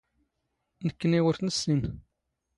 ⵏⴽⴽⵏⵉ ⵓⵔ ⵜ ⵏⵙⵙⵉⵏ.